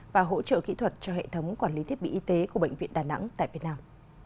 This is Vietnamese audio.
và hỗ trợ kỹ thuật cho hệ thống quản lý thiết bị y tế của bệnh viện đà nẵng tại việt nam